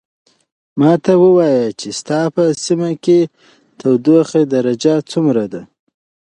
ماته ووایه چې ستا په سیمه کې د تودوخې درجه څومره ده.